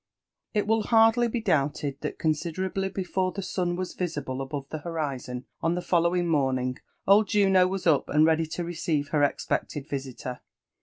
It will hardly be doubted thai considerably before the sun was visible above the horizon, on the following morning, old Juuo was up and ready to receive her eipecled visitor.